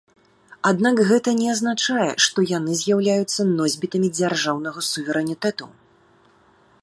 Аднак гэта не азначае, што яны з'яўляюцца носьбітамі дзяржаўнага суверэнітэту.